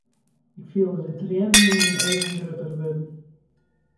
Ik fielde de triennen yn myn eagen grutter wurden.